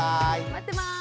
待ってます。